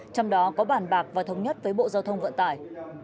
trong đó có bản bạc và thống nhất với bộ giao thông vận tải